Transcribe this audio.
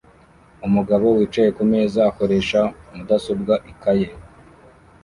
Umugabo wicaye kumeza akoresha mudasobwa ikaye